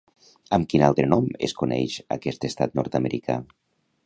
Amb quin altre nom es coneix aquest estat nord-americà?